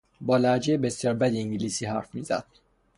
با لهجهی بسیار بدی انگلیسی حرف میزد.